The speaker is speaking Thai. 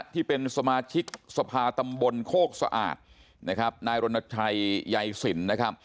ที่เป็นสมาชิกสภาตำบลโคกสะอาดนายรณไทยยายสิน